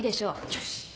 よし！